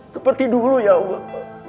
seperti dulu ya allah